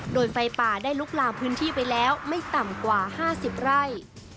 โดยไฟป่าได้ลุกลามพื้นที่ไปแล้วไม่ต่ำกว่า๕๐ไร่